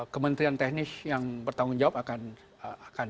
kementerian teknis yang bertanggung jawab akan